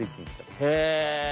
へえ。